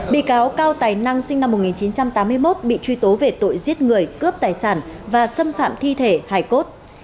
bị cáo cao tài năng sinh năm một nghìn chín trăm tám mươi một bị truy tố về tội giết người cướp tài sản và xâm phạm thi thể hải cốt